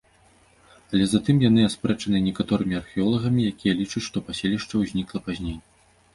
Але затым яны аспрэчаныя некаторымі археолагамі, якія лічаць, што паселішча ўзнікла пазней.